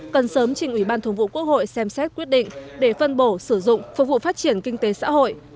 cần sớm trình ủy ban thường vụ quốc hội xem xét quyết định để phân bổ sử dụng phục vụ phát triển kinh tế xã hội